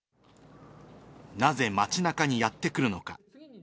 なぜ街なかにやって来るのか。